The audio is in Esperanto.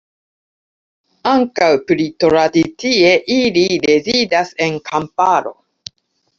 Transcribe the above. Ankaŭ, pli tradicie, ili rezidas en kamparo.